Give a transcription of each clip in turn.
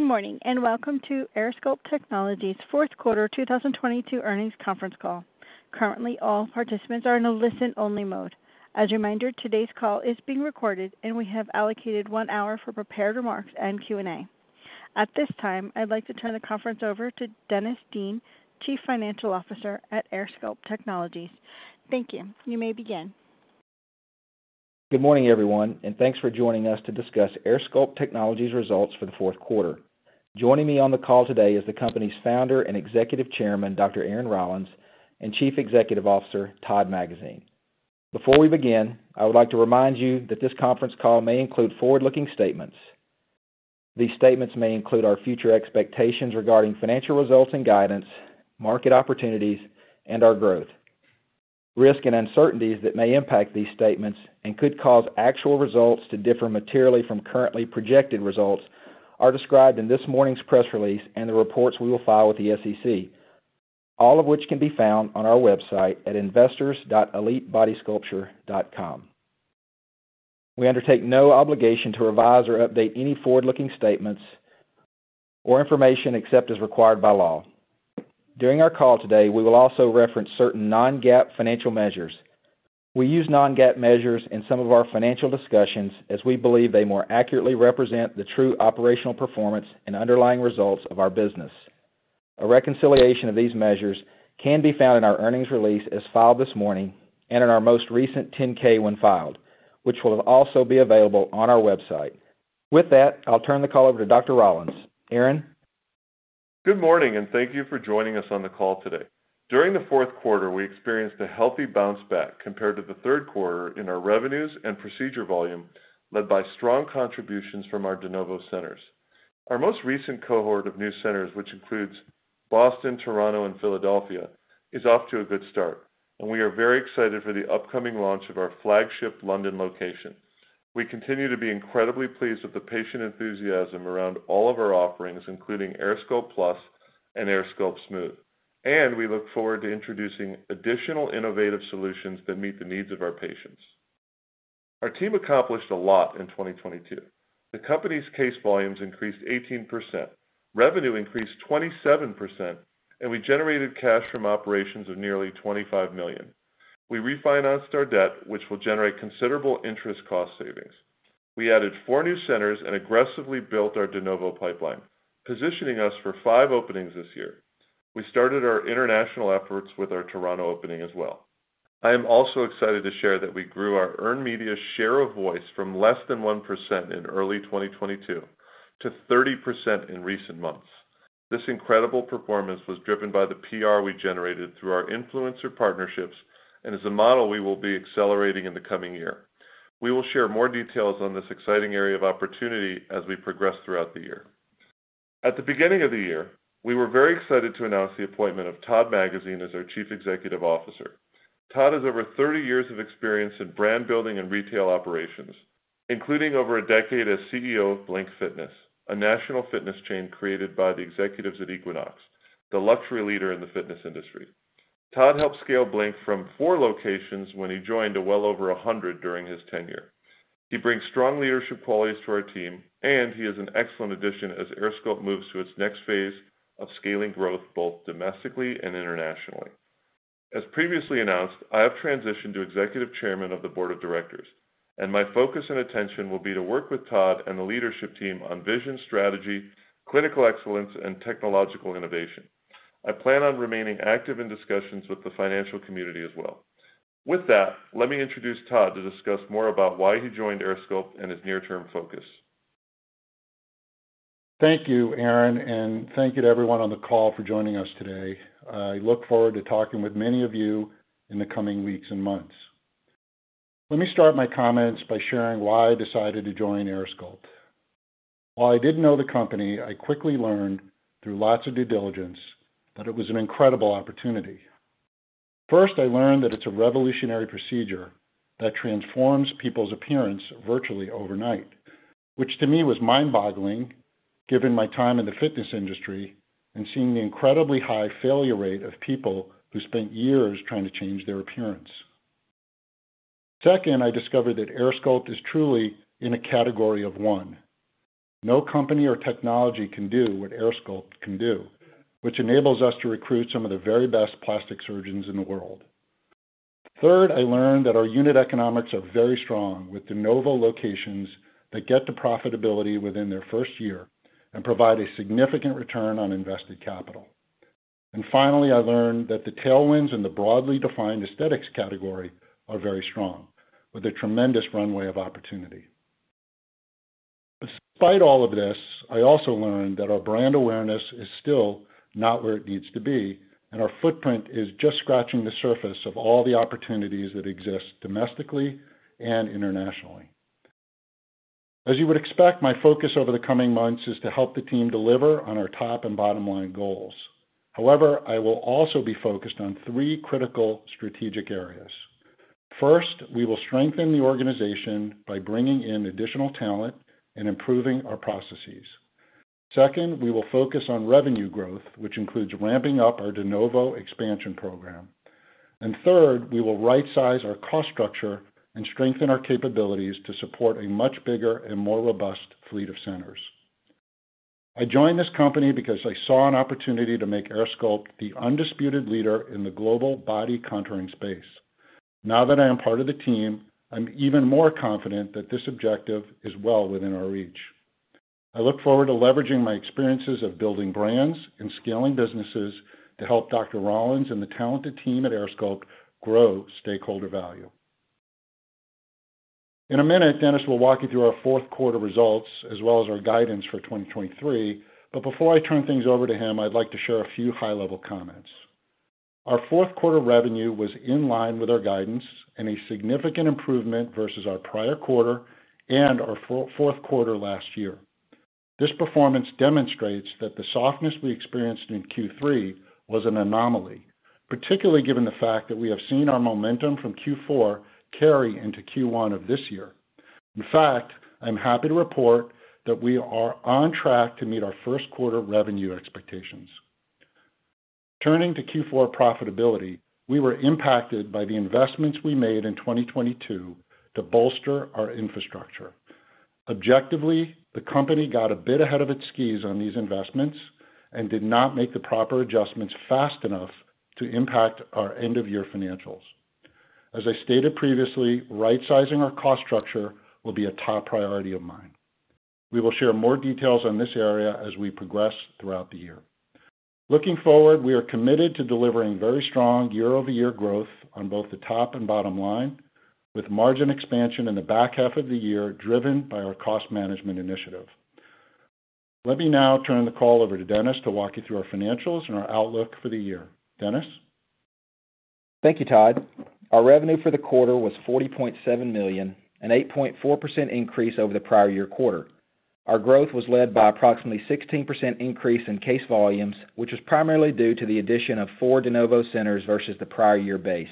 Good morning, welcome to AirSculpt Technologies' fourth quarter 2022 earnings conference call. Currently, all participants are in a listen-only mode. As a reminder, today's call is being recorded, and we have allocated 1 hour for prepared remarks and Q&A. At this time, I'd like to turn the conference over to Dennis Dean, Chief Financial Officer at AirSculpt Technologies. Thank you. You may begin. Good morning, everyone, and thanks for joining us to discuss AirSculpt Technologies' results for the fourth quarter. Joining me on the call today is the company's Founder and Executive Chairman, Dr. Aaron Rollins, and Chief Executive Officer, Todd Magazine. Before we begin, I would like to remind you that this conference call may include forward-looking statements. These statements may include our future expectations regarding financial results and guidance, market opportunities, and our growth. Risk and uncertainties that may impact these statements and could cause actual results to differ materially from currently projected results are described in this morning's press release and the reports we will file with the SEC, all of which can be found on our website at investors.elitebodysculpture.com. We undertake no obligation to revise or update any forward-looking statements or information except as required by law. During our call today, we will also reference certain non-GAAP financial measures. We use non-GAAP measures in some of our financial discussions as we believe they more accurately represent the true operational performance and underlying results of our business. A reconciliation of these measures can be found in our earnings release as filed this morning and in our most recent 10-K when filed, which will also be available on our website. With that, I'll turn the call over to Dr. Rollins. Aaron? Good morning, thank you for joining us on the call today. During the fourth quarter, we experienced a healthy bounce back compared to the third quarter in our revenues and procedure volume, led by strong contributions from our de novo centers. Our most recent cohort of new centers, which includes Boston, Toronto, and Philadelphia, is off to a good start, and we are very excited for the upcoming launch of our flagship London location. We continue to be incredibly pleased with the patient enthusiasm around all of our offerings, including AirSculpt Plus and AirSculpt Smooth. We look forward to introducing additional innovative solutions that meet the needs of our patients. Our team accomplished a lot in 2022. The company's case volumes increased 18%. Revenue increased 27%, and we generated cash from operations of nearly $25 million. We refinanced our debt, which will generate considerable interest cost savings. We added four new centers and aggressively built our de novo pipeline, positioning us for five openings this year. We started our international efforts with our Toronto opening as well. I am also excited to share that we grew our earned media share of voice from less than 1% in early 2022 to 30% in recent months. This incredible performance was driven by the PR we generated through our influencer partnerships and is a model we will be accelerating in the coming year. We will share more details on this exciting area of opportunity as we progress throughout the year. At the beginning of the year, we were very excited to announce the appointment of Todd Magazine as our Chief Executive Officer. Todd has over 30 years of experience in brand building and retail operations, including over a decade as CEO of Blink Fitness, a national fitness chain created by the executives at Equinox, the luxury leader in the fitness industry. Todd helped scale Blink from four locations when he joined to well over 100 during his tenure. He brings strong leadership qualities to our team, and he is an excellent addition as AirSculpt moves to its next phase of scaling growth, both domestically and internationally. As previously announced, I have transitioned to Executive Chairman of the Board of Directors, and my focus and attention will be to work with Todd and the leadership team on vision, strategy, clinical excellence, and technological innovation. I plan on remaining active in discussions with the financial community as well. With that, let me introduce Todd to discuss more about why he joined AirSculpt and his near-term focus. Thank you, Aaron. Thank you to everyone on the call for joining us today. I look forward to talking with many of you in the coming weeks and months. Let me start my comments by sharing why I decided to join AirSculpt. While I didn't know the company, I quickly learned through lots of due diligence that it was an incredible opportunity. First, I learned that it's a revolutionary procedure that transforms people's appearance virtually overnight, which to me was mind-boggling given my time in the fitness industry and seeing the incredibly high failure rate of people who spent years trying to change their appearance. Second, I discovered that AirSculpt is truly in a category of one. No company or technology can do what AirSculpt can do, which enables us to recruit some of the very best plastic surgeons in the world. Third, I learned that our unit economics are very strong with de novo locations that get to profitability within their first year and provide a significant return on invested capital. Finally, I learned that the tailwinds in the broadly defined aesthetics category are very strong, with a tremendous runway of opportunity. Despite all of this, I also learned that our brand awareness is still not where it needs to be, and our footprint is just scratching the surface of all the opportunities that exist domestically and internationally. As you would expect, my focus over the coming months is to help the team deliver on our top and bottom line goals. However, I will also be focused on three critical strategic areas. First, we will strengthen the organization by bringing in additional talent and improving our processes. Second, we will focus on revenue growth, which includes ramping up our de novo expansion program. Third, we will rightsize our cost structure and strengthen our capabilities to support a much bigger and more robust fleet of centers. I joined this company because I saw an opportunity to make AirSculpt the undisputed leader in the global body contouring space. Now that I am part of the team, I'm even more confident that this objective is well within our reach. I look forward to leveraging my experiences of building brands and scaling businesses to help Dr. Rollins and the talented team at AirSculpt grow stakeholder value. In a minute, Dennis will walk you through our fourth quarter results as well as our guidance for 2023. Before I turn things over to him, I'd like to share a few high-level comments. Our fourth quarter revenue was in line with our guidance and a significant improvement versus our prior quarter and our fourth quarter last year. This performance demonstrates that the softness we experienced in Q3 was an anomaly, particularly given the fact that we have seen our momentum from Q4 carry into Q1 of this year. I'm happy to report that we are on track to meet our first quarter revenue expectations. Turning to Q4 profitability, we were impacted by the investments we made in 2022 to bolster our infrastructure. Objectively, the company got a bit ahead of its skis on these investments and did not make the proper adjustments fast enough to impact our end-of-year financials. As I stated previously, rightsizing our cost structure will be a top priority of mine. We will share more details on this area as we progress throughout the year. Looking forward, we are committed to delivering very strong year-over-year growth on both the top and bottom line, with margin expansion in the back half of the year driven by our cost management initiative. Let me now turn the call over to Dennis to walk you through our financials and our outlook for the year. Dennis? Thank you, Todd. Our revenue for the quarter was $40.7 million, an 8.4% increase over the prior year quarter. Our growth was led by approximately 16% increase in case volumes, which was primarily due to the addition of 4 de novo centers versus the prior year base.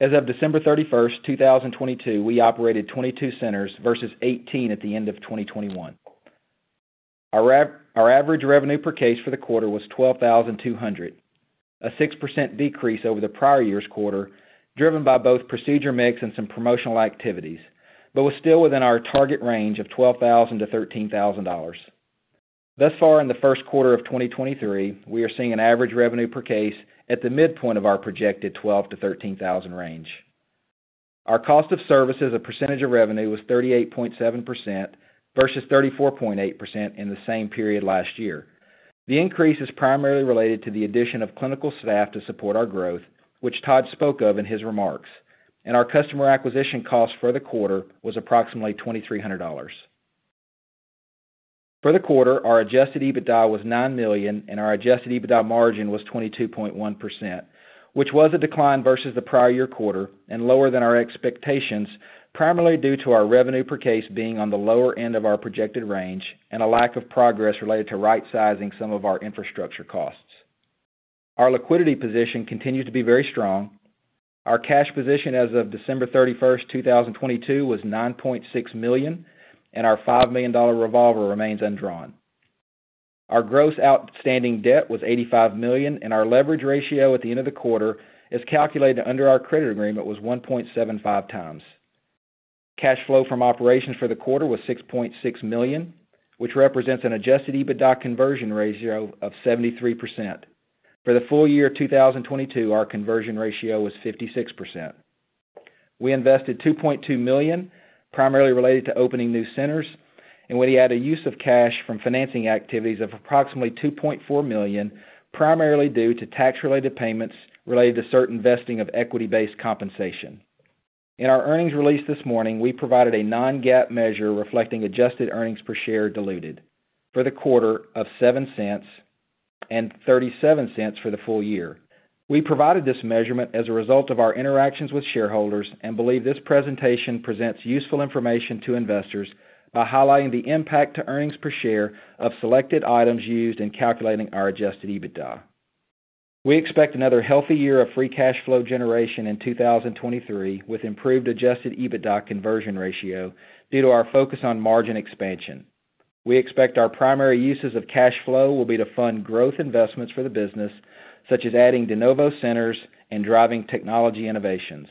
As of December 31st, 2022, we operated 22 centers versus 18 at the end of 2021. Our average revenue per case for the quarter was $12,200, a 6% decrease over the prior year's quarter, driven by both procedure mix and some promotional activities, but was still within our target range of $12,000-$13,000. Thus far in the first quarter of 2023, we are seeing an average revenue per case at the midpoint of our projected $12,000-$13,000 range. Our cost of services, a percentage of revenue, was 38.7% versus 34.8% in the same period last year. The increase is primarily related to the addition of clinical staff to support our growth, which Todd spoke of in his remarks. Our customer acquisition cost for the quarter was approximately $2,300. For the quarter, our adjusted EBITDA was $9 million, and our adjusted EBITDA margin was 22.1%, which was a decline versus the prior year quarter and lower than our expectations, primarily due to our revenue per case being on the lower end of our projected range and a lack of progress related to rightsizing some of our infrastructure costs. Our liquidity position continued to be very strong. Our cash position as of December 31st, 2022 was $9.6 million, and our $5 million revolver remains undrawn. Our gross outstanding debt was $85 million, and our leverage ratio at the end of the quarter is calculated under our credit agreement was 1.75x. Cash flow from operations for the quarter was $6.6 million, which represents an adjusted EBITDA conversion ratio of 73%. For the full year 2022, our conversion ratio was 56%. We invested $2.2 million, primarily related to opening new centers, and we had a use of cash from financing activities of approximately $2.4 million, primarily due to tax-related payments related to certain vesting of equity-based compensation. In our earnings release this morning, we provided a non-GAAP measure reflecting adjusted earnings per share diluted for the quarter of $0.07 and $0.37 for the full year. We provided this measurement as a result of our interactions with shareholders and believe this presentation presents useful information to investors by highlighting the impact to earnings per share of selected items used in calculating our adjusted EBITDA. We expect another healthy year of free cash flow generation in 2023, with improved adjusted EBITDA conversion ratio due to our focus on margin expansion. We expect our primary uses of cash flow will be to fund growth investments for the business, such as adding de novo centers and driving technology innovations.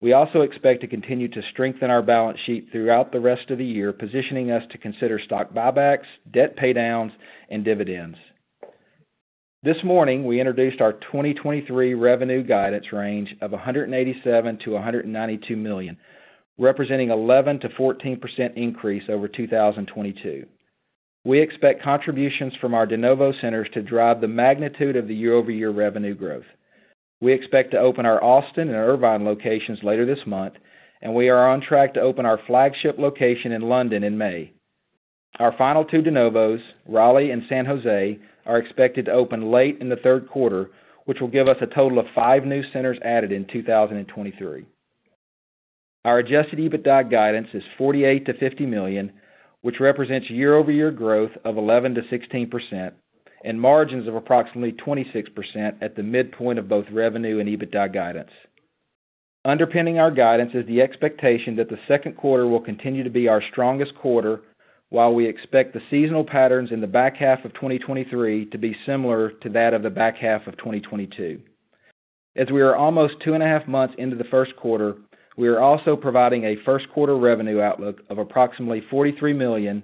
We also expect to continue to strengthen our balance sheet throughout the rest of the year, positioning us to consider stock buybacks, debt paydowns, and dividends. This morning, we introduced our 2023 revenue guidance range of $187 million-$192 million, representing 11%-14% increase over 2022. We expect contributions from our de novo centers to drive the magnitude of the year-over-year revenue growth. We expect to open our Austin and Irvine locations later this month, and we are on track to open our flagship location in London in May. Our final two de novos, Raleigh and San Jose, are expected to open late in the third quarter, which will give us a total of five new centers added in 2023. Our adjusted EBITDA guidance is $48 million-$50 million, which represents year-over-year growth of 11%-16% and margins of approximately 26% at the midpoint of both revenue and EBITDA guidance. Underpinning our guidance is the expectation that the second quarter will continue to be our strongest quarter, while we expect the seasonal patterns in the back half of 2023 to be similar to that of the back half of 2022. As we are almost 2.5 months into the first quarter, we are also providing a first quarter revenue outlook of approximately $43 million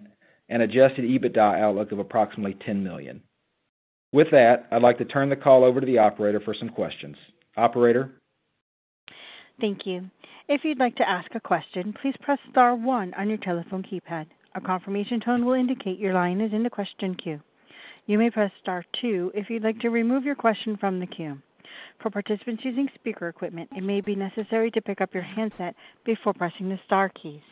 and adjusted EBITDA outlook of approximately $10 million. With that, I'd like to turn the call over to the operator for some questions. Operator? Thank you. If you'd like to ask a question, please press star one on your telephone keypad. A confirmation tone will indicate your line is in the question queue. You may press star two if you'd like to remove your question from the queue. For participants using speaker equipment, it may be necessary to pick up your handset before pressing the star keys.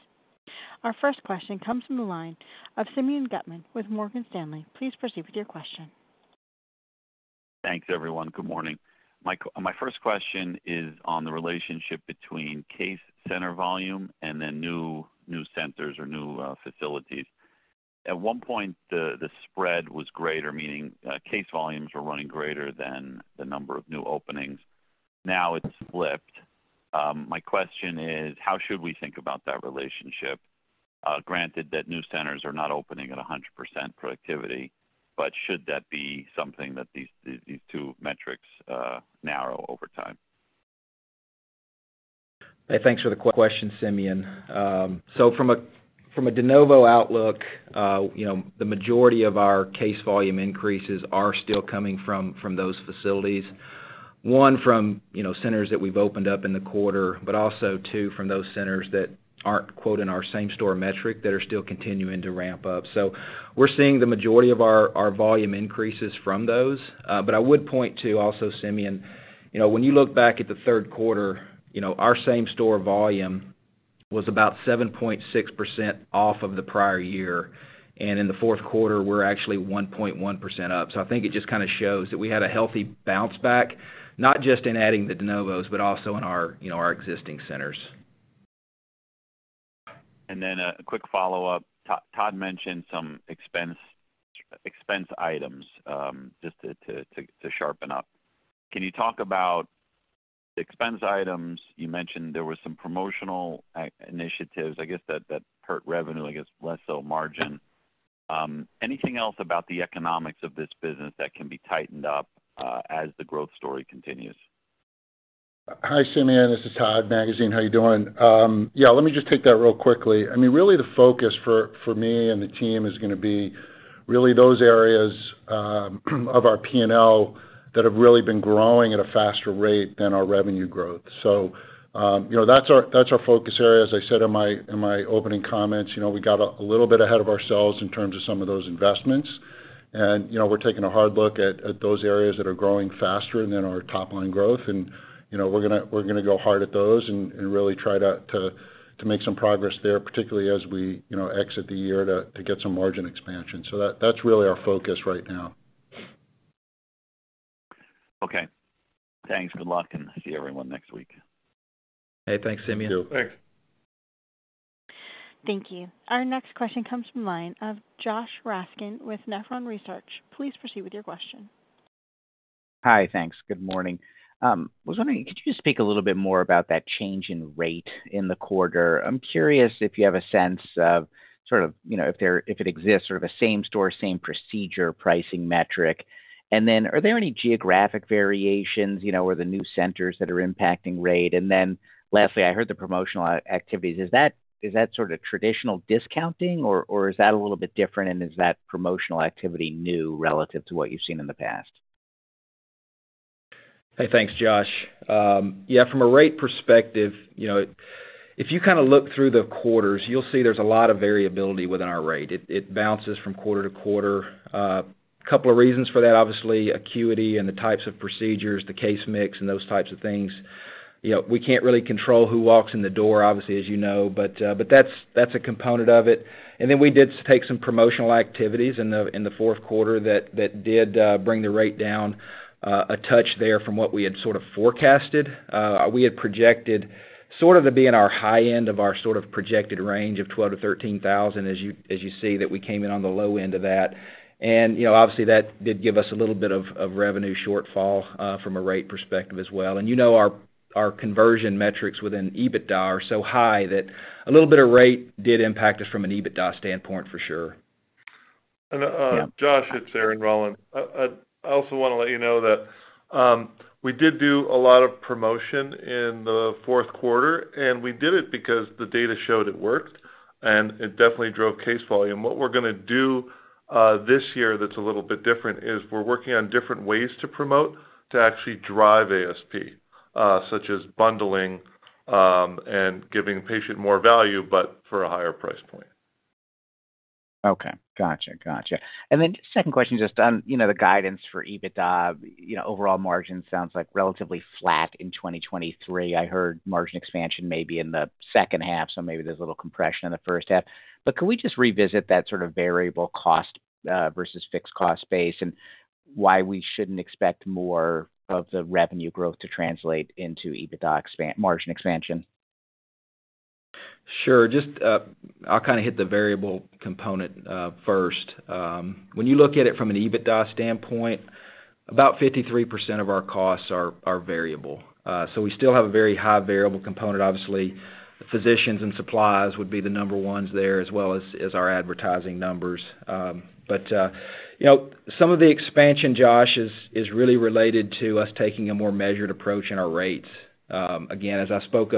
Our first question comes from the line of Simeon Gutman with Morgan Stanley. Please proceed with your question. Thanks, everyone. Good morning. My first question is on the relationship between case center volume and then new centers or new facilities. At one point, the spread was greater, meaning, case volumes were running greater than the number of new openings. Now it's flipped. My question is, how should we think about that relationship? Granted that new centers are not opening at 100% productivity, but should that be something that these two metrics narrow over time? Hey, thanks for the question, Simeon. From a de novo outlook, you know, the majority of our case volume increases are still coming from those facilities. One, from, you know, centers that we've opened up in the quarter, but also two, from those centers that aren't quote in our same-store metric that are still continuing to ramp up. We're seeing the majority of our volume increases from those. I would point to also, Simeon, you know, when you look back at the third quarter, you know, our same-store volume was about 7.6% off of the prior year. In the fourth quarter, we're actually 1.1% up. I think it just kinda shows that we had a healthy bounce back, not just in adding the de novos, but also in our, you know, our existing centers. A quick follow-up. Todd mentioned some expense items, just to sharpen up. Can you talk about the expense items? You mentioned there were some promotional initiatives, I guess, that hurt revenue, I guess less so margin. Anything else about the economics of this business that can be tightened up, as the growth story continues? Hi, Simeon, this is Todd Magazine. How are you doing? Yeah, let me just take that real quickly. I mean, really the focus for me and the team is gonna be really those areas of our P&L that have really been growing at a faster rate than our revenue growth. You know, that's our focus area. As I said in my opening comments, you know, we got a little bit ahead of ourselves in terms of some of those investments. You know, we're taking a hard look at those areas that are growing faster than our top-line growth. You know, we're gonna go hard at those and really try to make some progress there, particularly as we, you know, exit the year to get some margin expansion. That's really our focus right now. Okay. Thanks. Good luck, and see everyone next week. Hey, thanks, Simeon. Thank you. Thank you. Our next question comes from line of Josh Raskin with Nephron Research. Please proceed with your question. Hi. Thanks. Good morning. I was wondering, could you just speak a little bit more about that change in rate in the quarter? I'm curious if you have a sense of sort of, you know, if it exists or the same-store, same procedure, pricing metric. Are there any geographic variations, you know, or the new centers that are impacting rate? Lastly, I heard the promotional a-activities. Is that sort of traditional discounting or is that a little bit different and is that promotional activity new relative to what you've seen in the past? Hey, thanks, Josh. Yeah, from a rate perspective, you know, if you kinda look through the quarters, you'll see there's a lot of variability within our rate. It bounces from quarter to quarter. A couple of reasons for that, obviously, acuity and the types of procedures, the case mix, and those types of things. You know, we can't really control who walks in the door, obviously, as you know, but that's a component of it. Then we did take some promotional activities in the fourth quarter that did bring the rate down a touch there from what we had sort of forecasted. We had projected sort of to be in our high end of our sort of projected range of 12,000-13,000, as you see that we came in on the low end of that. you know, obviously, that did give us a little bit of revenue shortfall from a rate perspective as well. you know, our conversion metrics within EBITDA are so high that a little bit of rate did impact us from an EBITDA standpoint for sure. Josh, it's Aaron Rollins. I also wanna let you know that we did do a lot of promotion in the fourth quarter, and we did it because the data showed it worked, and it definitely drove case volume. What we're gonna do this year that's a little bit different is we're working on different ways to promote to actually drive ASP, such as bundling, and giving patient more value, but for a higher price point. Okay. Gotcha. Gotcha. Second question, just on, you know, the guidance for EBITDA. You know, overall margin sounds like relatively flat in 2023. I heard margin expansion maybe in the second half, so maybe there's a little compression in the first half. Could we just revisit that sort of variable cost versus fixed cost base and why we shouldn't expect more of the revenue growth to translate into EBITDA margin expansion? Sure. Just, I'll kind of hit the variable component first. When you look at it from an EBITDA standpoint, about 53% of our costs are variable. We still have a very high variable component. Obviously, physicians and supplies would be the number ones there as well as our advertising numbers. You know, some of the expansion, Josh, is really related to us taking a more measured approach in our rates. Again, as I spoke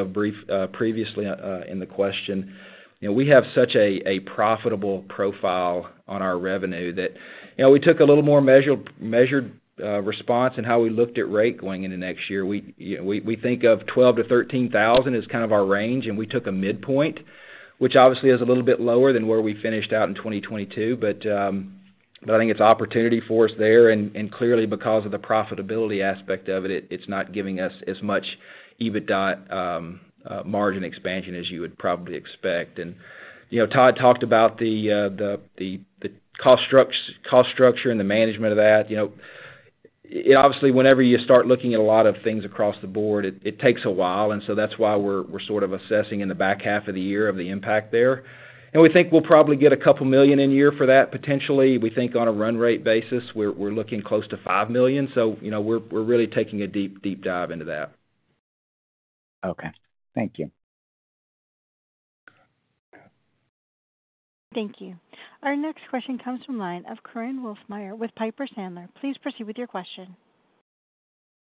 previously in the question, you know, we have such a profitable profile on our revenue that, you know, we took a little more measured response in how we looked at rate going into next year. We, you know, we think of 12,000-13,000 is kind of our range. We took a midpoint, which obviously is a little bit lower than where we finished out in 2022. I think it's opportunity for us there, and clearly because of the profitability aspect of it's not giving us as much EBITDA margin expansion as you would probably expect. You know, Todd talked about the cost structure and the management of that. You know, obviously, whenever you start looking at a lot of things across the board, it takes a while. That's why we're sort of assessing in the back half of the year of the impact there. We think we'll probably get $2 million in year for that, potentially. We think on a run rate basis, we're looking close to $5 million. You know, we're really taking a deep dive into that. Okay. Thank you. Thank you. Our next question comes from line of Korinne Wolfmeyer with Piper Sandler. Please proceed with your question.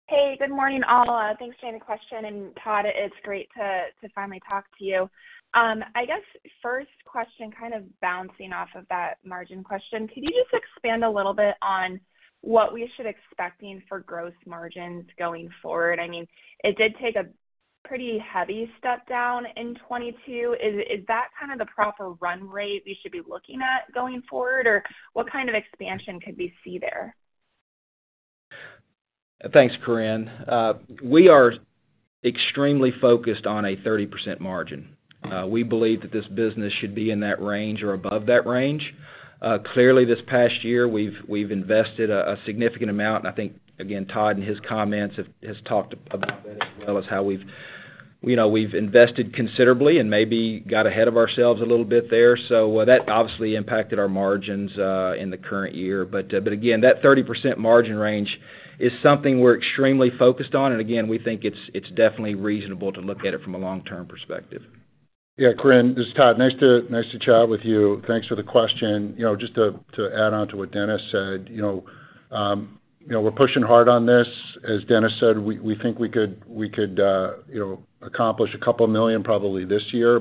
Hey, good morning, all. Thanks for taking the question, Todd, it's great to finally talk to you. I guess first question, kind of bouncing off of that margin question. Could you just expand a little bit on what we should expecting for gross margins going forward? I mean, it did take a pretty heavy step down in 22. Is that kind of the proper run rate we should be looking at going forward? What kind of expansion could we see there? Thanks, Korinne. We are extremely focused on a 30% margin. We believe that this business should be in that range or above that range. Clearly, this past year, we've invested a significant amount. I think, again, Todd Magazine, in his comments, has talked about that as well as how we've, you know, we've invested considerably and maybe got ahead of ourselves a little bit there. That obviously impacted our margins in the current year. Again, that 30% margin range is something we're extremely focused on. Again, we think it's definitely reasonable to look at it from a long-term perspective. Yeah. Korinne, this is Todd. Nice to chat with you. Thanks for the question. You know, just to add on to what Dennis said, you know, we're pushing hard on this. As Dennis said, we think we could, you know, accomplish a couple million probably this year.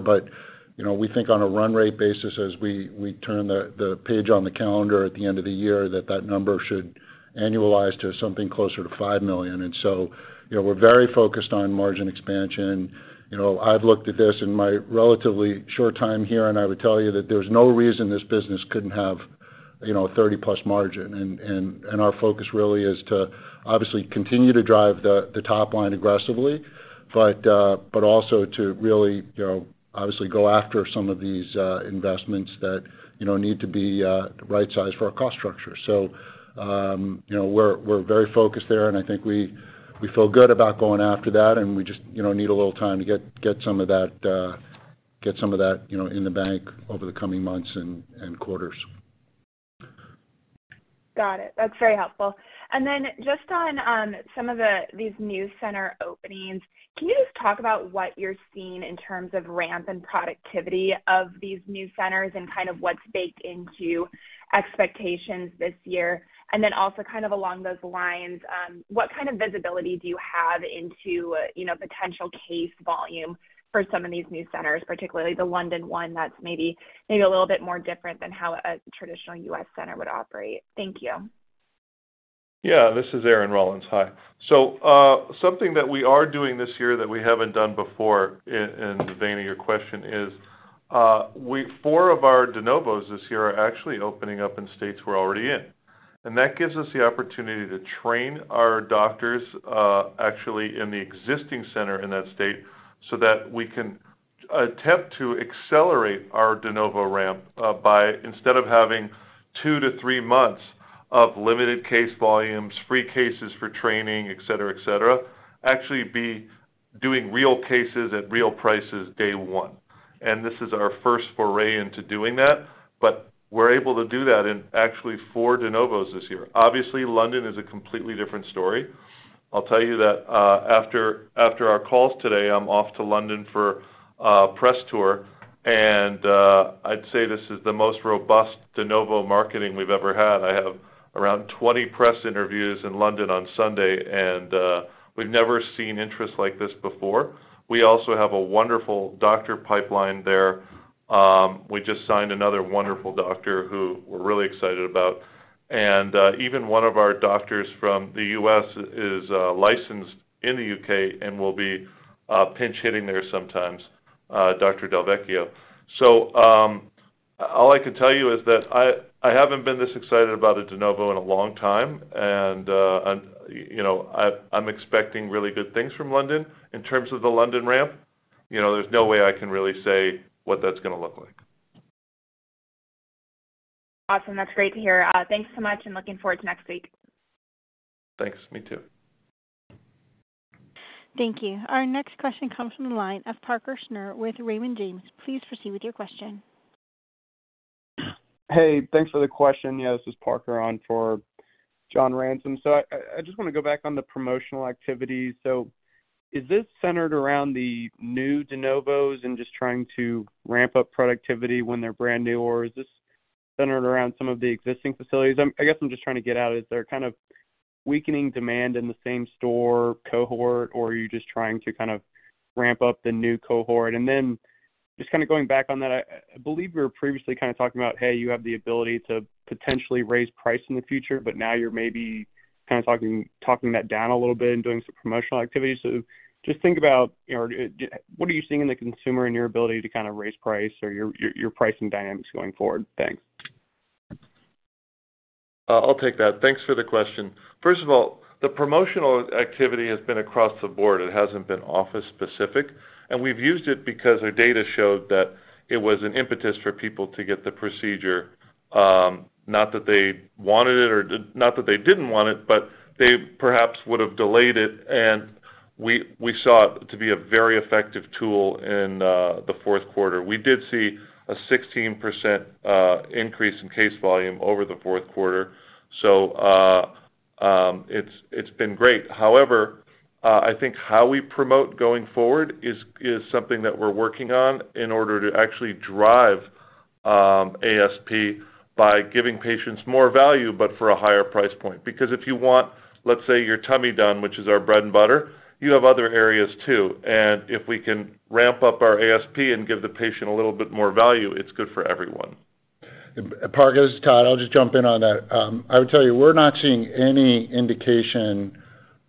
You know, we think on a run rate basis, as we turn the page on the calendar at the end of the year, that number should annualize to something closer to $5 million. You know, we're very focused on margin expansion. You know, I've looked at this in my relatively short time here, and I would tell you that there's no reason this business couldn't have, you know, a 30+ margin. Our focus really is to obviously continue to drive the top line aggressively, but also to really, you know, obviously go after some of these investments that, you know, need to be right-sized for our cost structure. We're, you know, we're very focused there, and I think we feel good about going after that, and we just, you know, need a little time to get some of that, get some of that, you know, in the bank over the coming months and quarters. Got it. That's very helpful. Just on these new center openings, can you just talk about what you're seeing in terms of ramp and productivity of these new centers and kind of what's baked into expectations this year? Also kind of along those lines, what kind of visibility do you have into, you know, potential case volume for some of these new centers, particularly the London one that's maybe a little bit more different than how a traditional U.S. center would operate? Thank you. This is Aaron Rollins. Hi. Something that we are doing this year that we haven't done before, in the vein of your question is, four of our de novos this year are actually opening up in states we're already in. That gives us the opportunity to train our doctors, actually in the existing center in that state, so that we can attempt to accelerate our de novo ramp, by instead of having two to three months of limited case volumes, free cases for training, et cetera, et cetera, actually be doing real cases at real prices day one. This is our first foray into doing that, but we're able to do that in actually four de novos this year. Obviously, London is a completely different story. I'll tell you that, after our calls today, I'm off to London for a press tour. I'd say this is the most robust de novo marketing we've ever had. I have around 20 press interviews in London on Sunday, and we've never seen interest like this before. We also have a wonderful doctor pipeline there. We just signed another wonderful doctor who we're really excited about. Even one of our doctors from the U.S. is licensed in the U.K. and will be pinch-hitting there sometimes, [Dr. Dovekia]. All I can tell you is that I haven't been this excited about a de novo in a long time, and, you know, I'm expecting really good things from London. In terms of the London ramp, you know, there's no way I can really say what that's gonna look like. Awesome. That's great to hear. Thanks so much and looking forward to next week. Thanks. Me too. Thank you. Our next question comes from the line of Parker Snure with Raymond James. Please proceed with your question. Hey, thanks for the question. Yeah, this is Parker on for John Ransom. I just wanna go back on the promotional activities. Is this centered around the new de novos and just trying to ramp up productivity when they're brand new? Is this centered around some of the existing facilities? I guess I'm just trying to get at, is there kind of weakening demand in the same-store cohort, or are you just trying to kind of ramp up the new cohort? Just kinda going back on that, I believe you were previously kinda talking about, hey, you have the ability to potentially raise price in the future, but now you're maybe kinda talking that down a little bit and doing some promotional activities. Just think about, you know, what are you seeing in the consumer and your ability to kinda raise price or your pricing dynamics going forward? Thanks. I'll take that. Thanks for the question. First of all, the promotional activity has been across the board. It hasn't been office specific. We've used it because our data showed that it was an impetus for people to get the procedure, not that they wanted it or not that they didn't want it, but they perhaps would have delayed it, and we saw it to be a very effective tool in the fourth quarter. We did see a 16% increase in case volume over the fourth quarter. It's been great. However, I think how we promote going forward is something that we're working on in order to actually drive ASP by giving patients more value, but for a higher price point. If you want, let's say, your tummy done, which is our bread and butter, you have other areas too. If we can ramp up our ASP and give the patient a little bit more value, it's good for everyone. Parker, this is Todd. I'll just jump in on that. I would tell you, we're not seeing any indication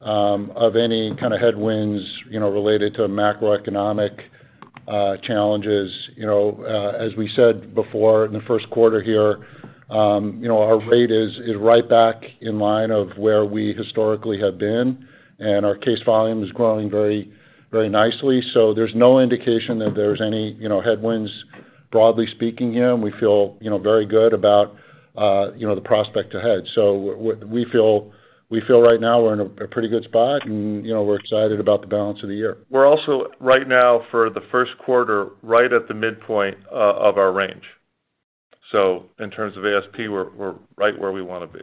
of any kinda headwinds, you know, related to macroeconomic challenges. You know, as we said before in the first quarter here, you know, our rate is right back in line of where we historically have been, and our case volume is growing very, very nicely. There's no indication that there's any, you know, headwinds, broadly speaking here, and we feel, you know, very good about, you know, the prospect ahead. We feel right now we're in a pretty good spot and, you know, we're excited about the balance of the year. We're also right now, for the first quarter, right at the midpoint of our range. In terms of ASP, we're right where we wanna be.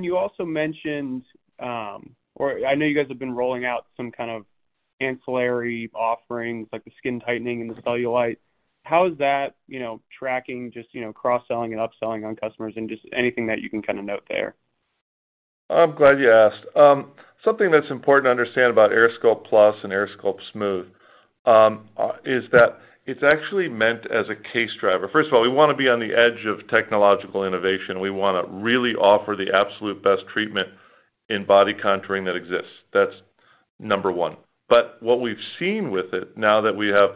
You also mentioned, or I know you guys have been rolling out some kind of ancillary offerings like the skin tightening and the cellulite. How is that, you know, tracking just, you know, cross-selling and upselling on customers and just anything that you can kinda note there? I'm glad you asked. Something that's important to understand about AirSculpt+ and AirSculpt Smooth is that it's actually meant as a case driver. First of all, we wanna be on the edge of technological innovation. We wanna really offer the absolute best treatment in body contouring that exists. That's number one. What we've seen with it, now that we have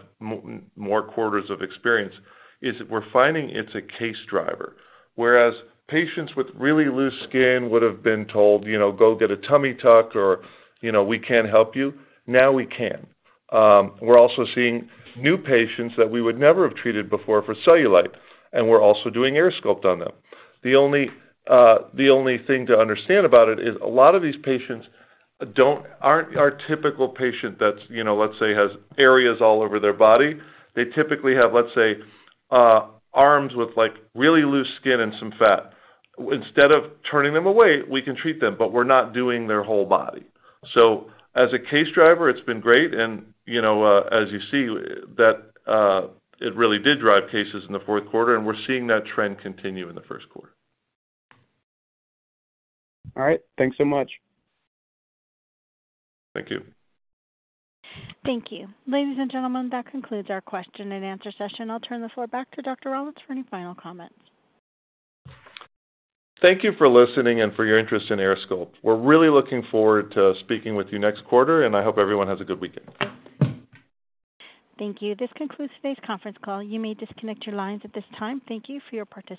more quarters of experience, is we're finding it's a case driver. Whereas patients with really loose skin would have been told, you know, "Go get a tummy tuck," or, you know, "We can't help you," now we can. We're also seeing new patients that we would never have treated before for cellulite, and we're also doing AirSculpt on them. The only, the only thing to understand about it is a lot of these patients aren't our typical patient that's, you know, let's say, has areas all over their body. They typically have, let's say, arms with, like, really loose skin and some fat. Instead of turning them away, we can treat them, but we're not doing their whole body. As a case driver, it's been great and, you know, as you see, that, it really did drive cases in the fourth quarter, and we're seeing that trend continue in the first quarter. All right. Thanks so much. Thank you. Thank you. Ladies and gentlemen, that concludes our question and answer session. I'll turn the floor back to Dr. Rollins for any final comments. Thank you for listening and for your interest in AirSculpt. We're really looking forward to speaking with you next quarter. I hope everyone has a good weekend. Thank you. This concludes today's conference call. You may disconnect your lines at this time. Thank you for your participation.